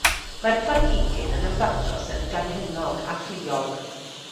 Mae'r planhigyn yn ymddangos yn ganghennog a phluog.